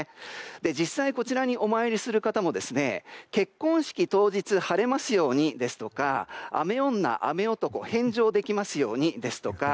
実際、こちらにお参りする方も結婚式当日、晴れますようにですとか雨女、雨男返上できますようにですとか。